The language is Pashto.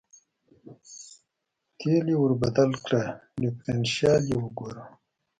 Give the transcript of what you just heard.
تېل یې ور بدل کړه، ډېفرېنشیال یې وګوره.